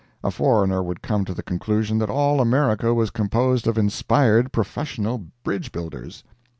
A foreigner would come to the conclusion that all America was composed of inspired professional bridge builders.